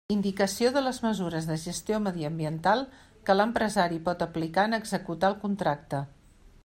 Indicació de les mesures de gestió mediambiental que l'empresari pot aplicar en executar el contracte.